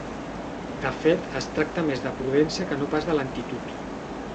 De fet, es tracta més de prudència que no pas de lentitud.